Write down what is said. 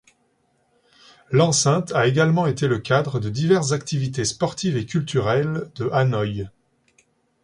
L'enceinte a également été le cadre de diverses activités sportives et culturelles de Hanoï.